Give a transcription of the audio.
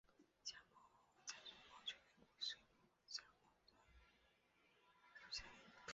假钻毛蕨为骨碎补科假钻毛蕨属下的一个种。